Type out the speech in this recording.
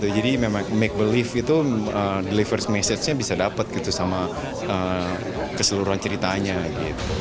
jadi memang make believe itu deliver message nya bisa dapet gitu sama keseluruhan ceritanya gitu